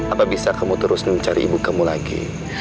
apa bisa kamu terus mencari ibu kamu lagi